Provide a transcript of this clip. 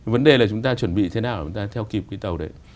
vấn đề là chúng ta chuẩn bị thế nào để chúng ta theo kịp cái tàu đấy